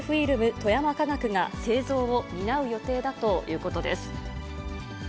富山化学が製造を担う予定だということです。